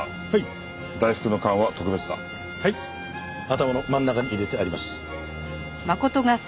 頭の真ん中に入れてあります。